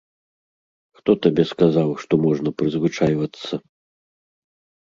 Хто табе сказаў, што можна прызвычайвацца?